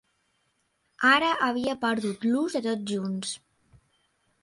Ara havia perdut l'ús de tots junts.